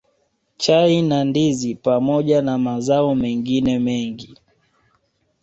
Chai na Ndizi pamoja na mazao mengine mengi